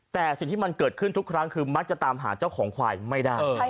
แต่สิ่งที่มันเกิดขึ้นทุกครั้งคือมักจะตามหาเจ้าของควายไม่ได้